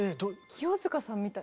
清塚さんみたい？